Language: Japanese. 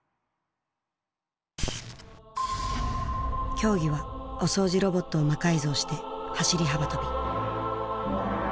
競技はお掃除ロボットを魔改造して走り幅跳び。